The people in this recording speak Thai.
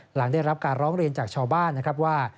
หลังได้รับการร้องเรียนจากชาวบ้านนะครับว่า